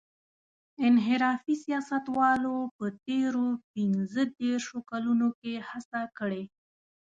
انحرافي سیاستوالو په تېرو پينځه دېرشو کلونو کې هڅه کړې.